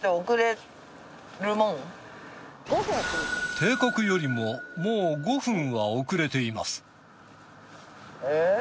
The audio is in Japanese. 定刻よりももう５分は遅れています。